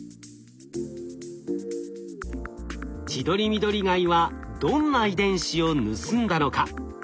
チドリミドリガイはどんな遺伝子を盗んだのか。